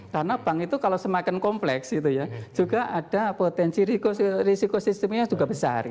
karena bank itu kalau semakin kompleks juga ada potensi risiko sistemnya juga besar